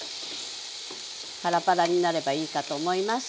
パラパラになればいいかと思います。